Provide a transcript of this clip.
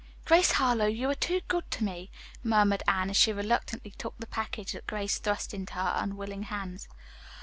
"Grace Harlowe, you are too good to me," murmured Anne, as she reluctantly took the package that Grace thrust into her unwilling hands.